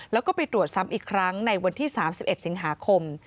แล้วก็ไปตรวจซ้ำอีกครั้งในวันที่๓๑สิงหาคม